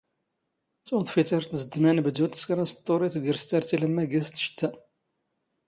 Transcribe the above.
ⵜⵓⴹⴼⵉⵜ ⴰⵔ ⵜⵣⴷⴷⵎ ⴰⵏⴱⴷⵓ ⵜⵙⴽⵔ ⴰⵚⵟⵟⵓⵕ ⵉ ⵜⴳⵔⵙⵜ ⴰⵔ ⵜ ⵉⵍⵎⵎⴰ ⴳⵉⵙ ⵜⵛⵜⵜⴰ.